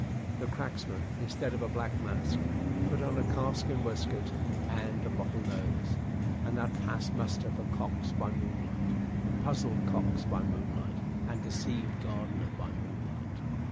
The cracksman, instead of a black mask, put on a calf skin waistcoat and a bottle nose, and that passed muster for Cox by moonlight; it puzzled Cox by moonlight, and deceived Gardiner by moonlight.